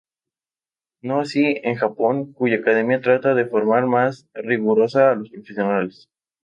No así en Japón, cuya academia trata de forma más rigurosa a los profesionales.